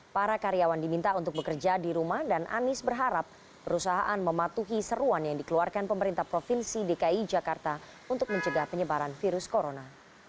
para karyawan diminta untuk bekerja di rumah dan anies berharap perusahaan mematuhi seruan yang dikeluarkan pemerintah provinsi dki jakarta untuk mencegah penyebaran virus corona